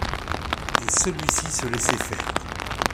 et celui-ci se laissait faire.